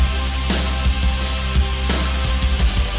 wah terima kasih